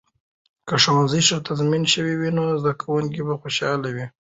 که ښوونځي ښه تنظیم شوي وي، نو زده کونکې به خوشاله وي.